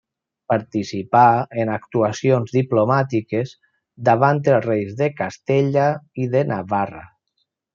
Participà en actuacions diplomàtiques davant els reis de Castella i de Navarra.